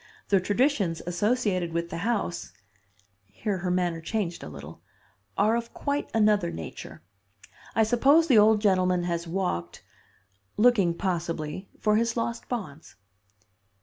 The traditions associated with the house," here her manner changed a little, "are of quite another nature. I suppose the old gentleman has walked looking, possibly, for his lost bonds."